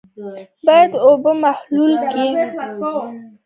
باید اوبه په محلول کې داخلې نه شي.